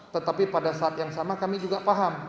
tetapi pada saat yang sama kami juga paham